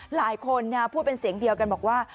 หลายคนพูดเป็นเสียงเดียวกันบอกว่า